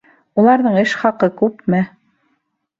Уларҙың эш хаҡы күпме?